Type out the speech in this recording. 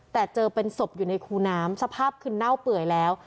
แต่เจอเป็นศพอยู่ในคูน้ำสภาพคือเน่าเปื่อยแล้ว